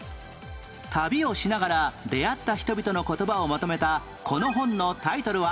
旅をしながら出会った人々の言葉をまとめたこの本のタイトルは？